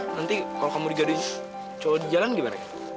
nanti kalau kamu digaduhin cowok di jalan gimana ya